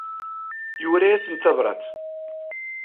Yura-asent tabrat.